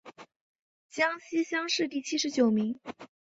江西乡试第七十九名。